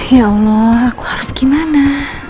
ya allah aku harus gimana